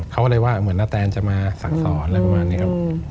เขาก็เลยว่าเหมือนนาแตนจะมาสั่งสอนอะไรประมาณนี้ครับ